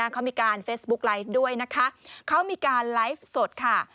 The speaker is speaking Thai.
เขามีการเฟซบุ๊กไลฟ์ด้วยนะคะเขามีการไลฟ์สดค่ะ